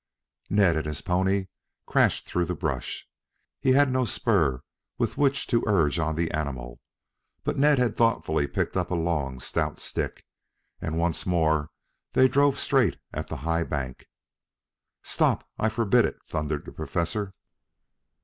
Ned and his pony crashed through the brush. He had no spur with which to urge on the animal, but Ned had thoughtfully picked up a long, stout stick, and once more they drove straight at the high bank. "Stop! I forbid it!" thundered the Professor.